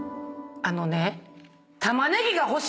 あのね。